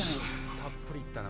たっぷり行ったな。